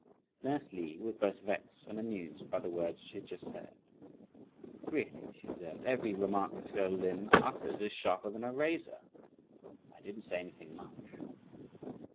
Nurse Li was both vexed and amused by the words she had just heard. "Really," she observed, "every remark this girl Lin utters is sharper than a razor! I didn't say anything much!"